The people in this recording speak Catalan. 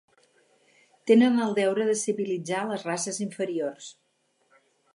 Tenen el deure de civilitzar les races inferiors.